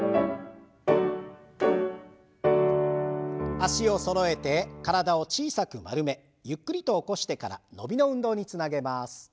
脚をそろえて体を小さく丸めゆっくりと起こしてから伸びの運動につなげます。